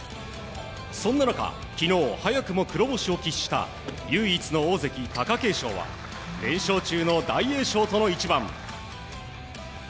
そんな中、昨日早くも黒星を喫した唯一の大関貴景勝は連勝中の大栄翔との一番。